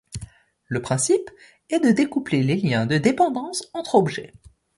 Le principe est de découpler les liens de dépendances entre objets.